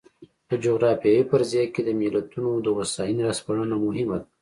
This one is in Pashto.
په جغرافیوي فرضیه کې د ملتونو د هوساینې را سپړنه مهمه ده.